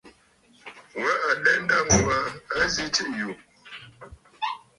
Wa alɛ nda ŋû aa a zi tsiʼì yù.